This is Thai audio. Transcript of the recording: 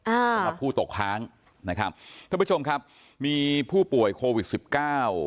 สำหรับผู้ตกค้างนะครับท่านผู้ชมครับมีผู้ป่วยโควิดสิบเก้า